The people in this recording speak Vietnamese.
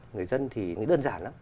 người dân thì nghĩ đơn giản lắm